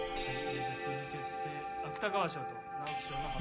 ・続けて芥川賞と直木賞の発表。